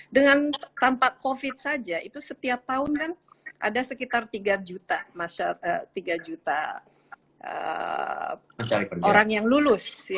dengan tanpa covid saja itu setiap tahun kan ada sekitar tiga juta orang yang lulus